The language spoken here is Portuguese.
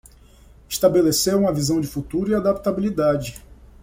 Estabelecer uma visão de futuro e adaptabilidade